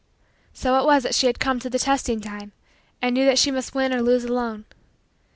So it was that she had come to the testing time and knew that she must win or lose alone.